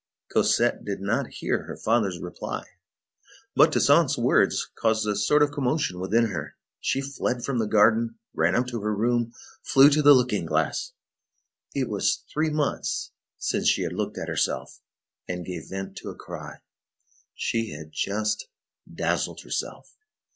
Cosette did not hear her father's reply, but Toussaint's words caused a sort of commotion within her. She fled from the garden, ran up to her room, flew to the looking glass,—it was three months since she had looked at herself,—and gave vent to a cry. She had just dazzled herself.